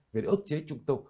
vì nó ức chế trung tâm